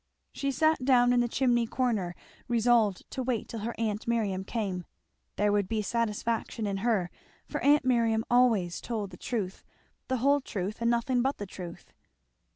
She sat down in the chimney corner, resolved to wait till her aunt Miriam came; there would be satisfaction in her, for aunt Miriam always told the truth, the whole truth, and nothing but the truth.